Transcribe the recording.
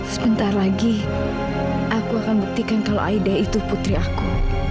sebentar lagi aku akan buktikan kalau aida itu putri aku